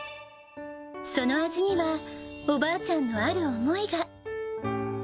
その味には、おばあちゃんのある思いが。